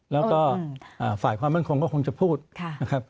แล้วก็ฝ่ายความมั่นคงก็คงจะพูดนะครับ